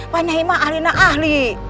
pak nyai ma ahli ahli